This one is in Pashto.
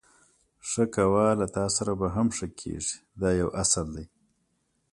ښه کوه له تاسره به هم ښه کېږي دا یو اصل دی.